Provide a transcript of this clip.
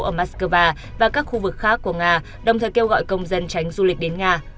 ở moscow và các khu vực khác của nga đồng thời kêu gọi công dân tránh du lịch đến nga